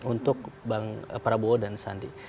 untuk bang prabowo dan sandi